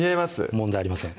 問題ありません